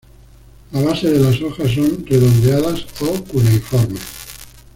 La base de las hojas son redondeadas o cuneiformes.